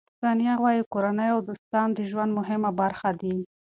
ثانیه وايي، کورنۍ او دوستان د ژوند مهمه برخه دي.